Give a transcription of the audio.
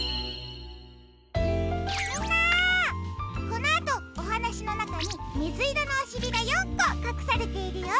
このあとおはなしのなかにみずいろのおしりが４こかくされているよ。